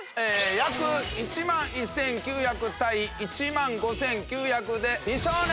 約１万１９００対１万５９００で美少年！